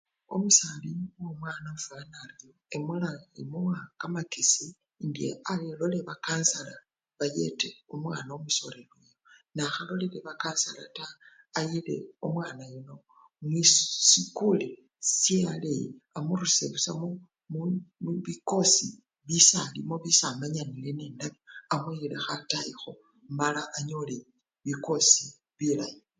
Omusali womwana ofwana aryo emulanga! imuwa kamakesi indi alole bakansala bayete omwana omusoleli wewe, nakhalolile bakansala taa ayile omwana yuno mwisikuli sye aleyi amurusye busa mu! mu! mubikosi bisyalimo bisyamanyanile ninabyo.